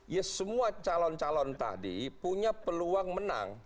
ya semua calon calon tadi punya peluang menang